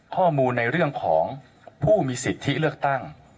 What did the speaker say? ข้อมูลในเรื่องของผู้มีสิทธิเลือกตั้ง